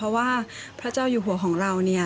ตามแนวทางศาสตร์พระราชาของในหลวงราชการที่๙